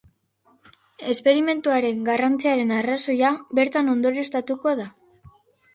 Esperimentuaren garrantziaren arrazoia bertan ondorioztatutako da.